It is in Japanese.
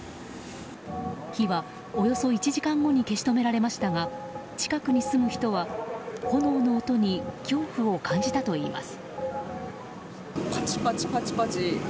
火は、およそ１時間後に消し止められましたが近くに住む人は、炎の音に恐怖を感じたといいます。